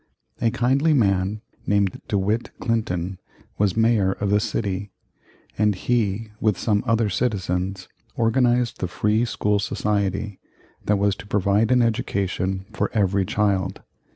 A kindly man named De Witt Clinton was Mayor of the city, and he, with some other citizens, organized the Free School Society that was to provide an education for every child.